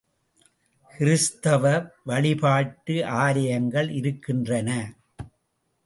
கிறித்துவ வழிபாட்டு ஆலயங்கள் இருக்கின்றன.